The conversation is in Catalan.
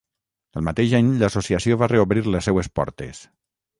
El mateix any l'associació va reobrir les seues portes.